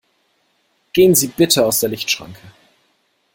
Gehen Sie bitte aus der Lichtschranke!